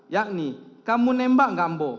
yakni kamu nembak gak ambo